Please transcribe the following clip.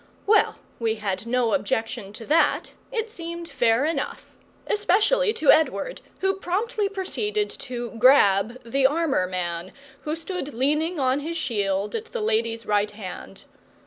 Well, we had no objection to that; it seemed fair enough, especially to Edward, who promptly proceeded to "grab" the armour man who stood leaning on his shield at the lady's right hand.